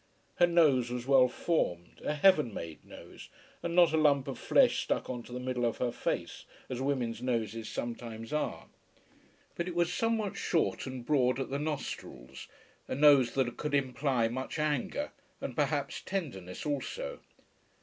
Her nose was well formed, a heaven made nose, and not a lump of flesh stuck on to the middle of her face as women's noses sometimes are; but it was somewhat short and broad at the nostrils, a nose that could imply much anger, and perhaps tenderness also.